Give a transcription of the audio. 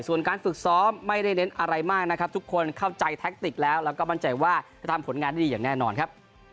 ส่วนการฝึกซ้อมไม่ได้เน้นอะไรมากนะครับทุกคนเข้าใจแท็กติกแล้วแล้วก็มั่นใจว่าจะทำผลงานได้ดีอย่างแน่นอนครับ